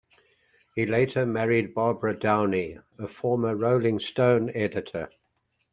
He later married Barbara Downey, a former "Rolling Stone" editor.